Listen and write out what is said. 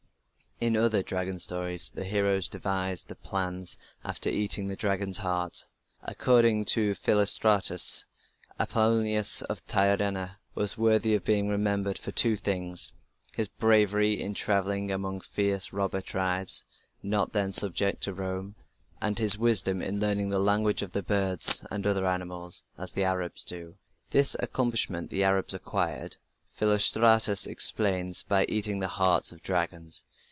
In other dragon stories the heroes devise their plans after eating the dragon's heart. According to Philostratus, Apollonius of Tyana was worthy of being remembered for two things his bravery in travelling among fierce robber tribes, not then subject to Rome, and his wisdom in learning the language of birds and other animals as the Arabs do. This accomplishment the Arabs acquired, Philostratus explains, by eating the hearts of dragons.